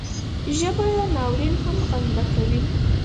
ژبه د ناورین هم غندنه کوي